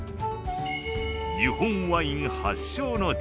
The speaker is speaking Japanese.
日本ワイン発祥の地